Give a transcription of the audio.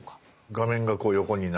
画面がこう横になる。